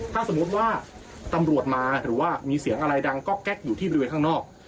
ถ้าสมมุติว่าตำรวจมาหรือว่ามีเสียงอะไรดังก็แก๊กอยู่ที่บริเวณข้างนอก